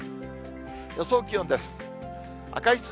予想気温です。